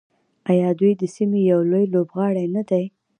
آیا دوی د سیمې یو لوی لوبغاړی نه دی؟